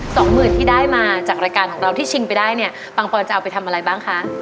สองหมื่นที่ได้มาจากรายการของเราที่ชิงไปได้เนี่ยปังปอนจะเอาไปทำอะไรบ้างคะ